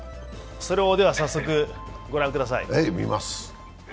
それを早速ご覧ください。